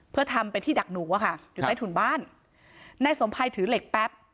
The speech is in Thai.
เพื่อทำเป็นที่ดักหนูอะค่ะอยู่ใต้ถุนบ้านนายสมภัยถือเหล็กแป๊บ